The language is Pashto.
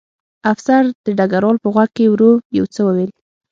افسر د ډګروال په غوږ کې ورو یو څه وویل